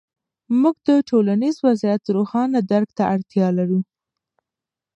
موږ د ټولنیز وضعیت روښانه درک ته اړتیا لرو.